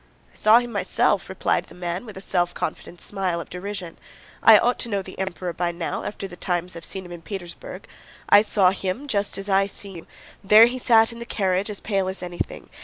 "I saw him myself," replied the man with a self confident smile of derision. "I ought to know the Emperor by now, after the times I've seen him in Petersburg. I saw him just as I see you.... There he sat in the carriage as pale as anything.